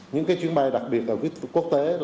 những chuyến bay đặc biệt ở quốc tế